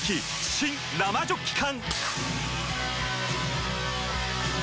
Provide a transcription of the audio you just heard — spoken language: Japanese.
新・生ジョッキ缶！